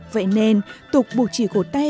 vậy nên tục buộc chỉ cầu tay